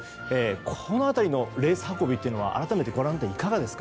この辺りのレース運びは改めてご覧になっていかがですか。